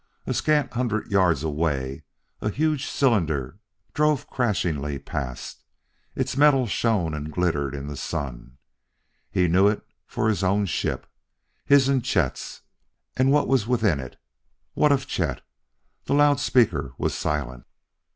A scant hundred yards away a huge cylinder drove crashingly past. Its metal shone and glittered in the sun; he knew it for his own ship his and Chet's. And what was within it? What of Chet? The loudspeaker was silent.